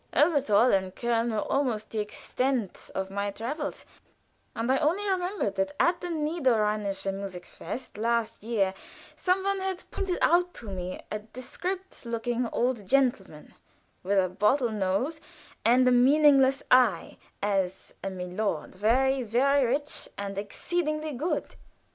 Elberthal and Köln were almost the extent of my travels, and I only remembered that at the Niederrheinisches Musikfest last year some one had pointed out to me a decrepit looking old gentleman, with a bottle nose and a meaningless eye, as a milord very, very rich, and exceedingly good.